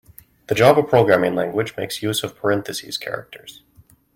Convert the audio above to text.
The Java programming language makes use of parentheses characters.